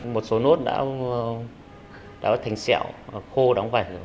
một số nốt đã thành xeo khô đóng vẩy